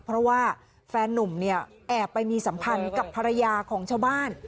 เพราะว่าแฟนนุ่มเนี่ยแอบไปมีสัมพันธ์กับภรรยาของชาวบ้าน